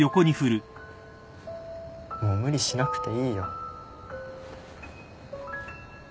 もう無理しなくていいよ。